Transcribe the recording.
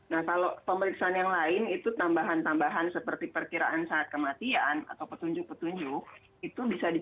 nah kalau pemeriksaan yang lain itu tambahan tambahan seperti perkiraan saat kematian atau petunjuk petunjuk itu bisa